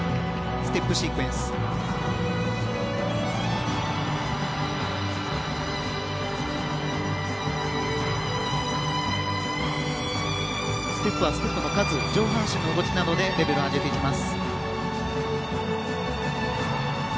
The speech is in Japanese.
ステップはステップの数上半身の動きなどでレベルを上げていきます。